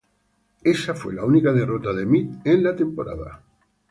Esa fue la única derrota de Mead en la temporada.